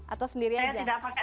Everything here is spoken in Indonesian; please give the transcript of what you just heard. atau sendiri aja